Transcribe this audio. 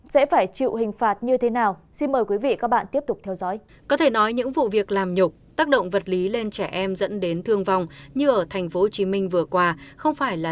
sẽ phải chịu hình phạt như thế nào